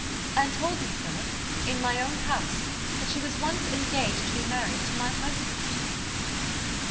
" And told me, Philip in my own house that she was once engaged to be married to my husband."